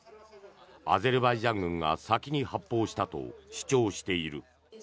アゼルバイジャン軍が先に発砲したと主張している。